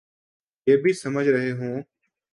یہ بھی سمجھ رہے ہوں۔